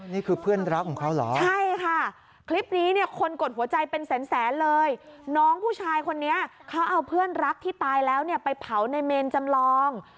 นี่คือเพื่อนรักของเขาเหรอใช่ค่ะคลิปนี้เนี่ยคนกดหัวใจเป็นแสนแสนเลยน้องผู้ชายคนนี้เขาเอาเพื่อนรักที่ตายแล้วเนี่ยไปเผาในเมนจำลอง